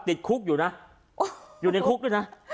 ติดคุกอยู่นะอยู่ในคุกด้วยนะ